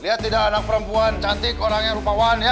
lihat tidak anak perempuan cantik orang yang rupawan ya